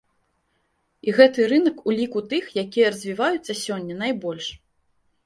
І гэты рынак у ліку тых, якія развіваюцца сёння найбольш.